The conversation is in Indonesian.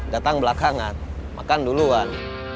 datang belakangan makan duluan